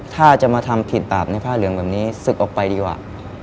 ถ้าจะมาทำผิดบาปในผ้าเหลืองแบบนี้ศึกออกไปดีกว่า